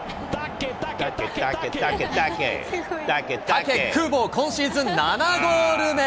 タケクボ、今シーズン７ゴール目。